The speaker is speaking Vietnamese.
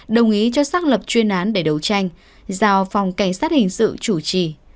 đồng ý cho xác lập chuyên án để đấu tranh giao phòng cảnh sát hình sự chủ trì